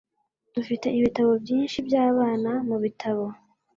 Dufite ibitabo byinshi byabana mubitabo.